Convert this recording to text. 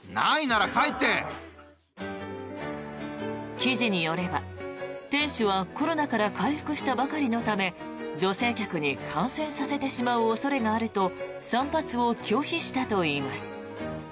記事によれば、店主はコロナから回復したばかりのため女性客に感染させてしまう恐れがあると散髪を拒否したといいます。